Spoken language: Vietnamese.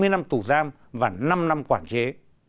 hai mươi năm tù giam và năm năm quản chế